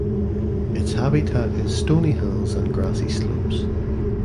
Its habitat is stony hills and grassy slopes.